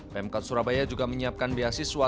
pemkot surabaya juga menyiapkan beasiswa